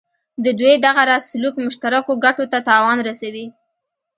د دوی دغه راز سلوک مشترکو ګټو ته تاوان رسوي.